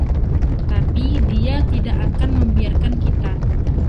Tapi dia tidak akan membiarkan kita.